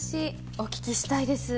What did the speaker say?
お聞きしたいです。